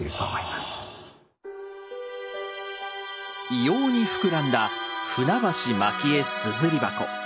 異様に膨らんだ「舟橋蒔絵硯箱」。